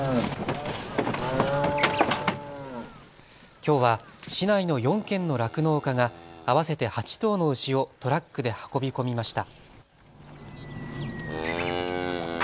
きょうは市内の４軒の酪農家が合わせて８頭の牛をトラックで運び込みました。